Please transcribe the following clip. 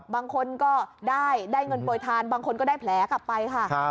บางคนก็ได้เงินโปรยทานบางคนก็ได้แผลกลับไปค่ะ